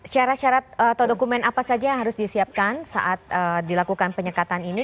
syarat syarat atau dokumen apa saja yang harus disiapkan saat dilakukan penyekatan ini